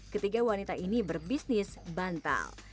ketiga wanita ini berbisnis bantal